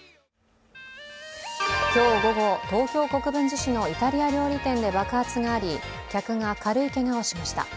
今日午後、東京・国分寺市のイタリア料理店で爆発があり、客が軽いけがをしました。